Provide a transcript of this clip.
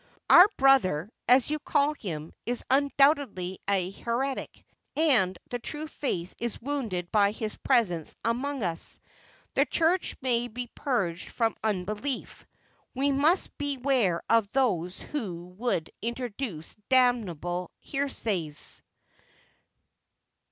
"Our brother, as you call him, is undoubtedly a heretic, and the true faith is wounded by his presence amongst us. The Church must be purged from unbelief. We must beware of those who would introduce damnable heresies."